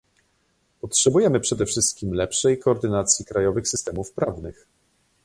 Potrzebujemy przede wszystkim lepszej koordynacji krajowych systemów prawnych